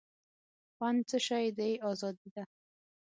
خوند څه شی دی آزادي ده.